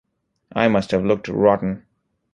I must have looked rotten.